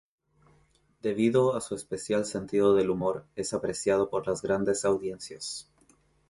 Debido a su especial sentido del humor es apreciado por las grandes audiencias.